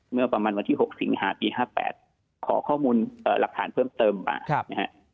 เมื่อประมาณวันที่๖สิงหาปี๕๘ขอข้อมูลหลักฐานเพิ่มเติมมานะฮะ